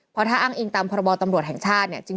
เพราะถ้าอ้างอิงตามพรบตำรวจแห่งชาติเนี่ย